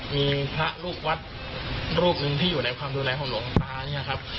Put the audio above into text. มีพระลูกวัดรูปหนึ่งที่อยู่ในความดูแลของหลวงตาเนี่ยครับ